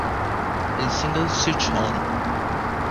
El single Switch On!